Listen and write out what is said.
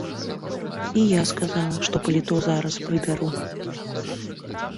І я сказала, што паліто зараз прыбяру.